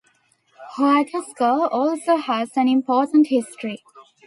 Huatusco also has an important history.